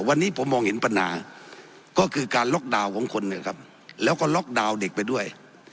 วันนี้ผมมองเห็นปัญหาก็คือการล็อกดาวน์ของคนนะครับแล้วก็ล็อกดาวน์เด็กไปด้วย